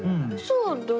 そうだよね？